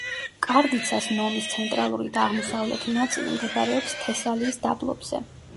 კარდიცას ნომის ცენტრალური და აღმოსავლეთი ნაწილი მდებარეობს თესალიის დაბლობზე.